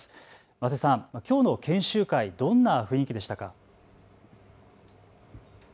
間瀬さん、きょうの研修会、どんな雰囲気でしたか。